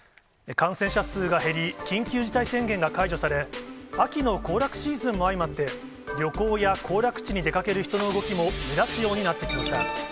感染者数が減り、緊急事態宣言が解除され、秋の行楽シーズンも相まって、旅行や行楽地に出かける人の動きも目立つようになってきました。